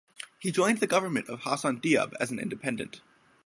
He joined the government of Hassan Diab as an independent.